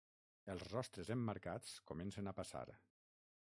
Els rostres emmarcats comencen a passar.